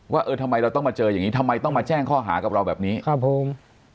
เออทำไมเราต้องมาเจออย่างนี้ทำไมต้องมาแจ้งข้อหากับเราแบบนี้ครับผม